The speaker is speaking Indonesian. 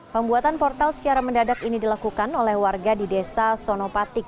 pembuatan portal secara mendadak ini dilakukan oleh warga di desa sonopatik